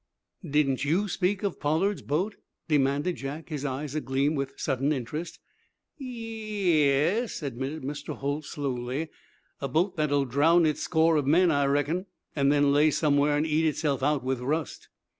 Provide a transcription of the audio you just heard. "Didn't you speak of Pollard's boat?" demanded Jack, his eyes agleam with sudden interest. "Ye es," admitted Mr. Holt, slowly. "A boat that'll drown its score of men, I reckon, an' then lay somewhere an' eat itself out with rust."